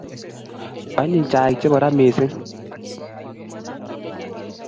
Anyiny chaik chebo ra mising